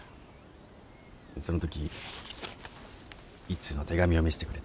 そのとき１通の手紙を見せてくれてね。